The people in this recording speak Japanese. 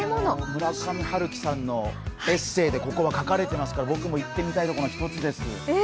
村上春樹さんのエッセーでここは書かれていますから僕も行ってみたいところの１つです。